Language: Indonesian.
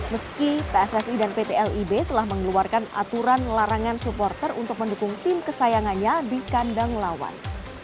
meski pssi dan pt lib telah mengeluarkan aturan larangan supporter untuk mendukung tim kesayangannya di kandang lawan